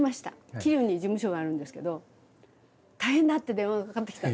桐生に事務所があるんですけど「大変だ！」って電話がかかってきたんですよ。